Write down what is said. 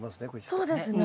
そうですね。